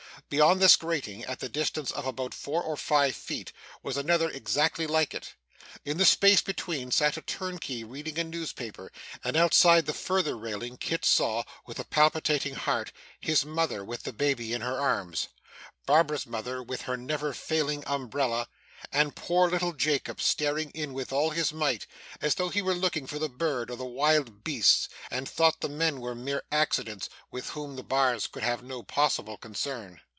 Beyond this grating, at the distance of about four or five feet, was another exactly like it. In the space between, sat a turnkey reading a newspaper, and outside the further railing, Kit saw, with a palpitating heart, his mother with the baby in her arms; Barbara's mother with her never failing umbrella; and poor little Jacob, staring in with all his might, as though he were looking for the bird, or the wild beast, and thought the men were mere accidents with whom the bars could have no possible concern.